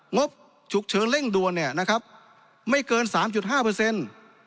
งบฉุกเฉินเร่งด่วนเนี่ยนะครับไม่เกินสามจุดห้าเปอร์เซ็นต์